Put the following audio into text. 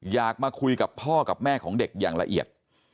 อยากมาคุยกับพ่อกับแม่ของเด็กอย่างละเอียด